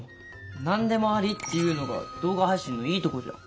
何でもありっていうのが動画配信のいいとこじゃん。